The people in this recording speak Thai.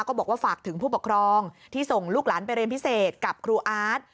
ก็บอกว่าฝากถึงผู้ปกครองที่ส่งลูกหลานไปเรียนพิเศษกับครูอาร์ต